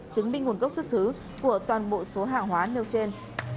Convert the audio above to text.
chứng minh nguồn gốc xuất xứ của toàn bộ số hàng hóa nêu trên